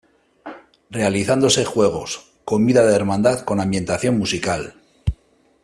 Realizándose juegos, comida de hermandad con ambientación musical.